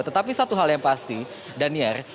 tetapi satu hal yang pasti daniar